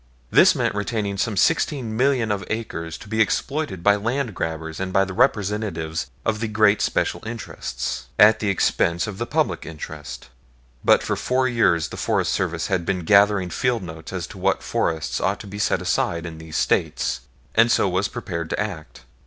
This meant retaining some sixteen million of acres to be exploited by land grabbers and by the representatives of the great special interests, at the expense of the public interest. But for four years the Forest Service had been gathering field notes as to what forests ought to be set aside in these States, and so was prepared to act.